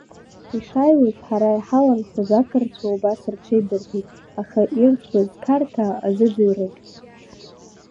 Ишааиуаз ҳара иҳаланхоз ақырҭқәа убас рҽеибырҭеит, ара ирӡбаз Қарҭаа азыӡырҩратә.